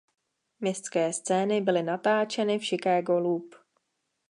Městské scény byly natáčeny v Chicago Loop.